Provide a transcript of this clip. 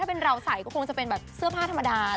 ถ้าเป็นเราใส่ก็คงจะเป็นแบบเสื้อผ้าธรรมดา